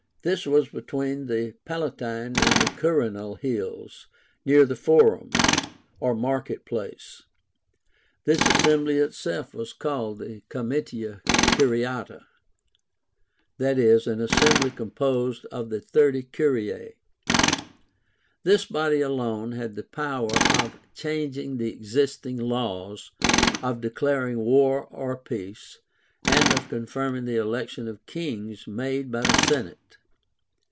This was between the Palatine and Quirínal hills near the FORUM, or market place. This assembly itself was called the COMITIA CURIÁTA, i.e. an assembly composed of the 30 curiae. This body alone had the power of changing the existing laws; of declaring war or peace; and of confirming the election of kings made by the senate.